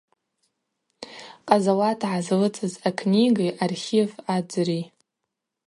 Къазауат гӏазлыцӏыз акниги архив адзри.